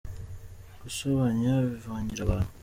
gusobanya bivangira abantu.